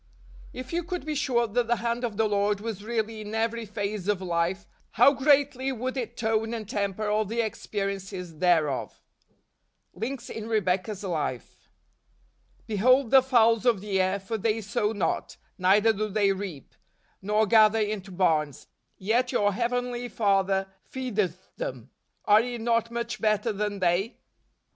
9. If you could be sure that the hand of the Lord was really iu every phase of life, how greatly would it tone and temper all the experiences thereof ! Links in Rebecca's Life. " Behold the fowls of the air: for they sow not , neither do they reap , nor gather into barns; yet your Heavenly Father fcedeth them. Are ye not much better than they